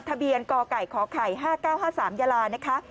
ทะเบียนกไก่ขไข่๕๙๕๓ยาลานะคะ